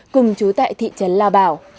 cùng chú tại thị trấn lao bảo